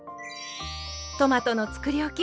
トマトのつくりおき